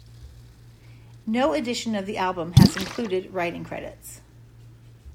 No edition of the album has included writing credits.